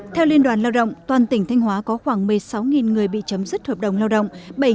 theo liên đoàn lao động toàn tỉnh thanh hóa có khoảng một mươi sáu người bị chấm dứt hợp đồng lao động